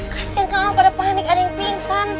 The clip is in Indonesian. kasihankan orang pada panik ada yang pingsan